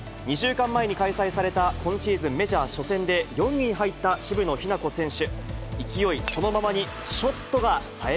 ２週間前に開催された、今シーズンメジャー初戦で、４位に入った渋野日向子選手。